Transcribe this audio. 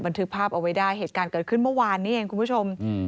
ทึกภาพเอาไว้ได้เหตุการณ์เกิดขึ้นเมื่อวานนี้เองคุณผู้ชมอืม